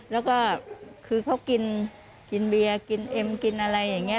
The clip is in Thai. แล้วก็คือเขากินกินเบียร์กินเอ็มกินอะไรอย่างนี้